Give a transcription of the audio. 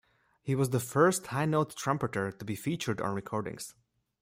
He was the first high note trumpeter to be featured on recordings.